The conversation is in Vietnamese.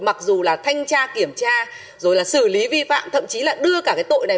mặc dù là thanh tra kiểm tra rồi là xử lý vi phạm thậm chí là đưa cả cái tội này